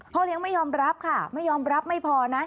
เลี้ยงไม่ยอมรับค่ะไม่ยอมรับไม่พอนะ